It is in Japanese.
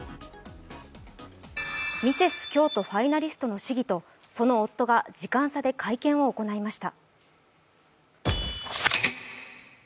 ミセス京都ファイナリストの市議とその夫が時間差で会見を行いました。